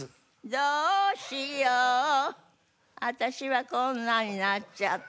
「どうしよう私はこんなになっちゃった」